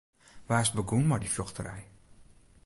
Wa is begûn mei dy fjochterij?